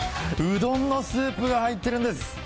うどんのスープが入ってるんです。